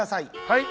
はい。